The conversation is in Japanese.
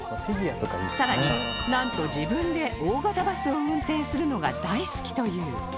さらになんと自分で大型バスを運転するのが大好きという